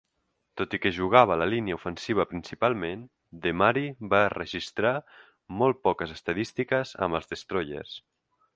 Tot i que jugava a la línia ofensiva principalment, DeMary va registrar molt poques estadístiques amb els Destroyers.